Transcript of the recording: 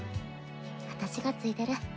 私が付いてる。